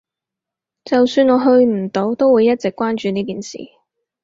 就算我去唔到，都會一直關注呢件事